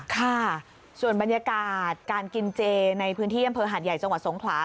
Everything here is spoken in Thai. ค่ะส่วนบรรยากาศการกินเจในพื้นที่อำเภอหาดใหญ่จังหวัดสงขลา